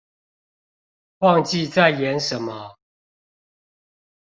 忘記在演什麼